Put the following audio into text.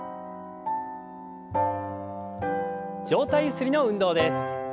上体ゆすりの運動です。